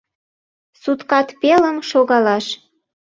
Суткат пелым шогалаш.